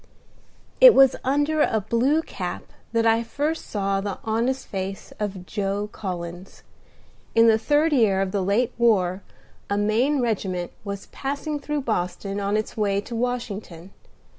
I It was under a blue cap that I first saw the honest face of Joe Collins. In the third year of the late war a Maine regiment was passing through Boston, on its way to Washington.